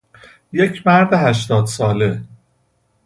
یک مرد هشتاد ساله